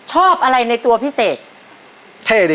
อาจจะไม่รู้ว่าอันนี้มันอยู่ในนั้นหรือเปล่า